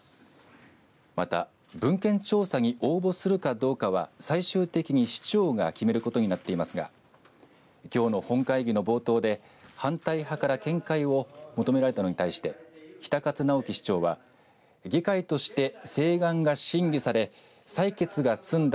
また文献調査に応募するかどうかは最終的に市長が決めることになっていますがきょうの本会議の冒頭で反対派から見解を求められたのに対して比田勝尚喜市長は議会として請願が審議され採決が済んだ